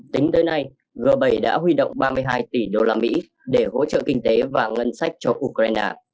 tính tới nay g bảy đã huy động ba mươi hai tỷ usd để hỗ trợ kinh tế và ngân sách cho ukraine